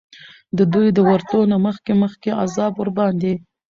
د دوی د ورتلو نه مخکي مخکي عذاب ورباندي